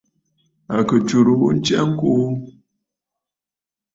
À kɨ tsurə ghu ntsya ŋkuu.